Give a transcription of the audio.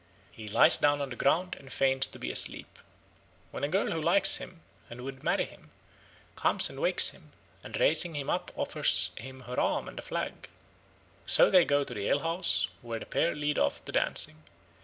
He lies down on the ground and feigns to be asleep. Then a girl who likes him, and would marry him, comes and wakes him, and raising him up offers him her arm and a flag. So they go to the alehouse, where the pair lead off the dancing.